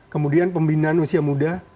kemudian pembinaan usia muda